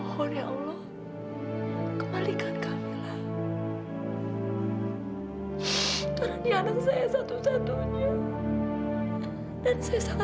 fadil kita pulang